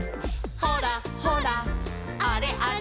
「ほらほらあれあれ」